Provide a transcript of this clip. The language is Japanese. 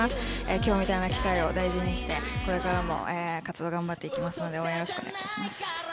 今日みたいな機会を大事にして、これからも頑張っていくので、応援よろしくお願いします。